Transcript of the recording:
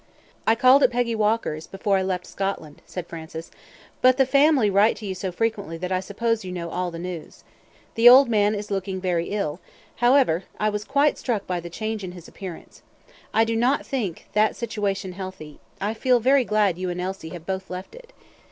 "I called at Peggy Walker's, before I left Scotland;" said Francis, "but the family write to you so frequently that I suppose you know all the news. The old man is looking very ill, however; I was quite struck by the change in his appearance. I do not think that situation healthy; I feel very glad you and Elsie have both left it.